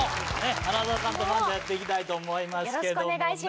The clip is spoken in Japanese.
花澤さんと漫才やっていきますと思いますけれどもね。